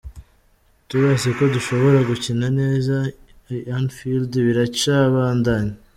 Turazi ko dushobora gukina neza i Anfield, biracabandanya.